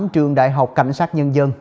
trường đại học cảnh sát nhân dân